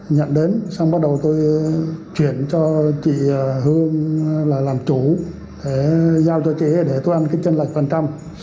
nhận đến xong bắt đầu tôi chuyển cho chị hương là làm chủ để giao cho chị để tôi ăn cái chân lạch phần trăm